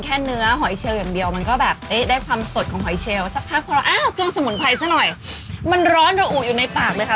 มันร้อนจะอูห์อยู่ในปากเลยค่ะตอนนี้